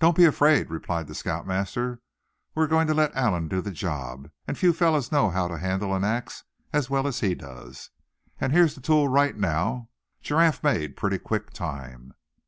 "Don't be afraid," replied the scout master; "we're going to let Allan do the job, and few fellows know how to handle an ax as well as he does. And here's the tool right now; Giraffe made pretty quick time."